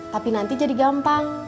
tapi nanti jadi gampang